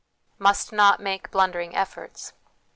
Must not make Blundering Efforts.